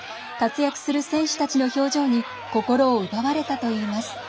活躍する選手たちの表情に心を奪われたといいます。